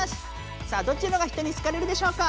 さあどっちのほうが人にすかれるでしょうか？